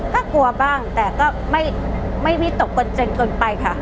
ก็กลัวบ้างแต่ก็ไม่วิตกกันจนเกินไปค่ะ